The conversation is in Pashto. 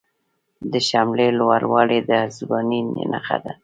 د شملې لوړوالی د ځوانۍ نښه ده.